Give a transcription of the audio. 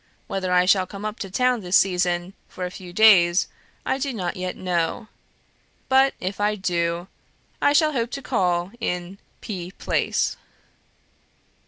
Whether I shall come up to town this season for a few days I do not yet know; but if I do, I shall hope to call in P. Place."